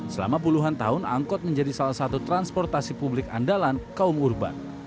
selama puluhan tahun angkot menjadi salah satu transportasi publik andalan kaum urban